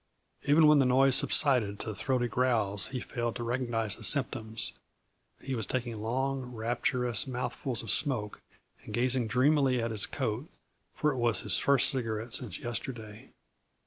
Even when the noise subsided to throaty growls he failed to recognize the symptoms; he was taking long, rapturous mouthfuls of smoke and gazing dreamily at his coat, for it was his first cigarette since yesterday.